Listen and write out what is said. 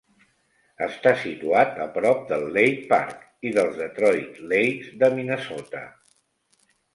Està situat a prop del Lake Park i dels Detroit Lakes de Minnesota.